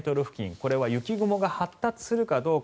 これは雪雲が発達するかどうか。